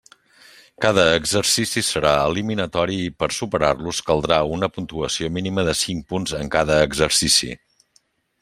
Cada exercici serà eliminatori i per superar-los caldrà una puntuació mínima de cinc punts en cada exercici.